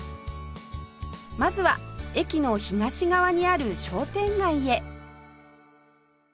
まずは駅の東側にある商店街へ